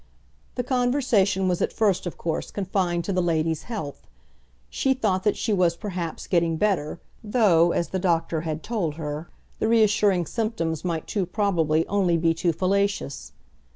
The conversation was at first, of course, confined to the lady's health. She thought that she was, perhaps, getting better, though, as the doctor had told her, the reassuring symptoms might too probably only be too fallacious.